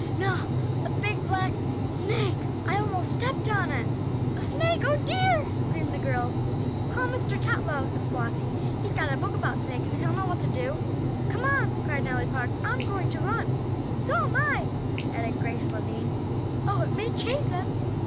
"No! a big black snake! I almost stepped on it." "A snake! Oh, dear!" screamed the girls. "Call Mr. Tetlow!" said Flossie. "He's got a book about snakes, and he'll know what to do." "Come on!" cried Nellie Parks. "I'm going to run!" "So am I!" added Grace Lavine. "Oh, it may chase us!"